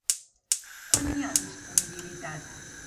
Quan hi ha disponibilitat?